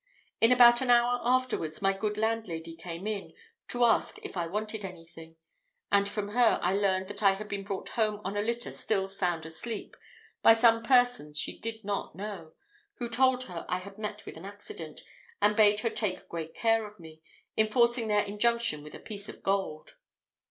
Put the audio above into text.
In about an hour afterwards, my good landlady came in, to ask if I wanted anything; and from her I learned that I had been brought home on a litter still sound asleep, by some persons she did not know, who told her I had met with an accident, and bade her take great care of me, enforcing their injunction with a piece of gold.